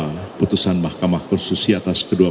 keputusan makamah konstitusi atas kedua